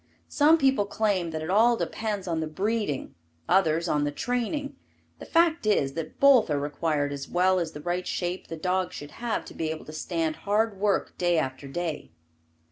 Some people claim that it all depends on the breeding, others on the training. The fact is that both are required as well as the right shape the dog should have to be able to stand hard work day after day.